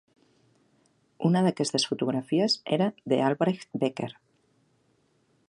Una d'aquestes fotografies era de Albrecht Becker.